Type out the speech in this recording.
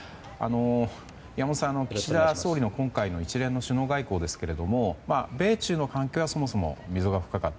山本さん、岸田総理の今回の一連の首脳外交ですが米中の関係はそもそも溝が深かった。